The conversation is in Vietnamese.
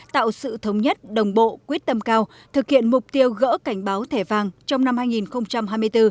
tạo sự thống nhất đồng bộ quyết tâm cao thực hiện mục tiêu gỡ cảnh báo thẻ vàng trong năm hai nghìn hai mươi bốn